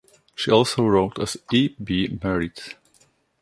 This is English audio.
She also wrote as E. B. Merrit.